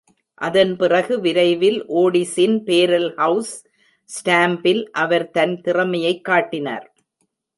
அதன்பிறகு, விரைவில், ஓடிஸின் barrel house ஸ்டாம்பில் அவர் தன் திறமையைக் காட்டினார்.